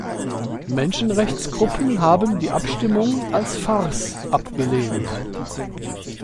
Menschenrechtsgruppen haben die Abstimmung als Farce abgelehnt.